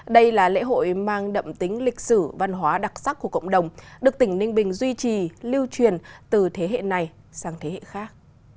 đây là lễ hội mang đậm tính lịch sử văn hóa đặc sắc của cộng đồng được tỉnh ninh bình duy trì lưu truyền từ thế hệ này sang thế hệ khác